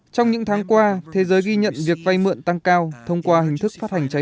trong những tháng qua thế giới ghi nhận việc vay mượn tăng cao thông qua hình thức phát hành trái